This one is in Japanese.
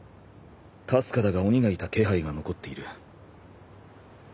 かすかだが鬼がいた気配が残っている。